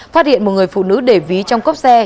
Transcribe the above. phát hiện một người phụ nữ để ví trong cốc xe